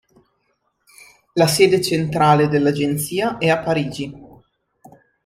La sede centrale dell'agenzia è a Parigi.